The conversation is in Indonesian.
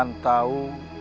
saya tidak tahu